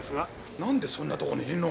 何でそんなとこにいるの？